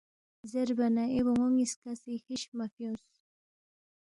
زیربا نہ اے بون٘و نِ٘یسکا سی ہِش مہ فیُونگ